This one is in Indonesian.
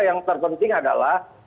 yang terpenting adalah